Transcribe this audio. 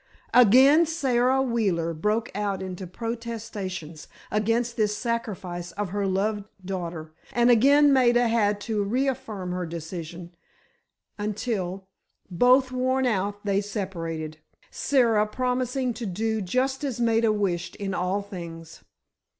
Again Sara Wheeler broke out into protestations against this sacrifice of her loved daughter, and again Maida had to reaffirm her decision, until, both worn out, they separated, Sara promising to do just as Maida wished in all things.